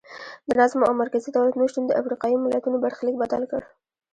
د نظم او مرکزي دولت نشتون د افریقایي ملتونو برخلیک بدل کړ.